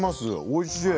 おいしい。